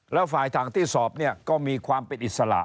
แล้วฝ่ายทางที่สอบเนี่ยก็มีความเป็นอิสระ